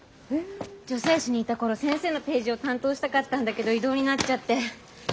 女性誌にいた頃先生のページを担当したかったんだけど異動になっちゃって。